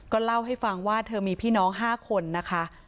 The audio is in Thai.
เล่าให้ฟังว่าเธอมีพี่น้อง๕คนนะคะ